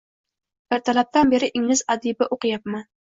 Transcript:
Ertalabdan beri ingliz adibi o’qiyapman.